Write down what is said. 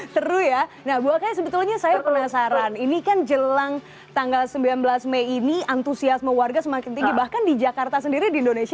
seru ya nah bu okay sebetulnya saya penasaran ini kan jelang tanggal sembilan belas mei ini antusiasme warga semakin tinggi bahkan di jakarta sendiri di indonesia